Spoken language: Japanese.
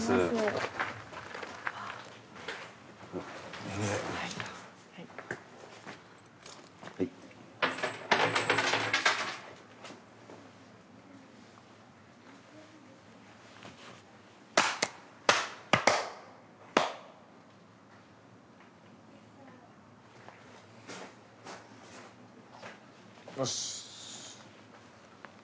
よし。